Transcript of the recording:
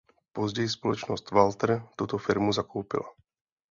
Později společnost Walter tuto firmu zakoupila.